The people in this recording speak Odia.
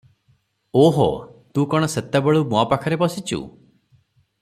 "ଓ ହୋ! ତୁ କଣ ସେତେବେଳୁ ମୋ ପାଖରେ ବସିଚୁ?